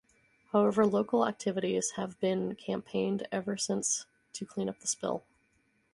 However, local activists have been campaigning ever since to clean up the spill.